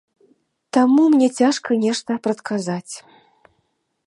Таму мне цяжка нешта прадказаць.